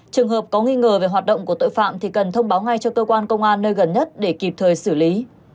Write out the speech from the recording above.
trường hợp có nghi ngờ về hoạt động của tội phạm thì cần thông báo ngay cho cơ quan công an nơi gần nhất để kịp thời xử lý